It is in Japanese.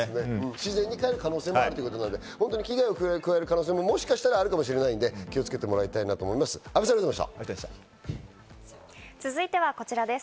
自然にかえる可能性もあるということで、危害を加える可能性ももしかしたらあるかもしれないので気をつけてもらいたいなと思います。